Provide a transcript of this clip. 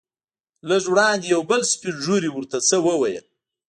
لږ وړاندې یو بل سپین ږیری ورته څه وویل.